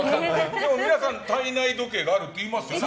皆さん、体内時計があるって言いますよね。